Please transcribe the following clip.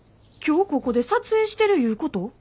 今日ここで撮影してるいうこと？